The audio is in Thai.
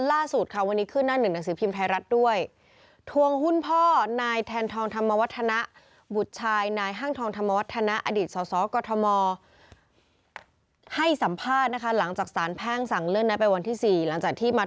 ล่าสุดค่ะวันนี้ขึ้นหน้าหนึ่งหนังสือพิมพ์ไทยรัฐด้วย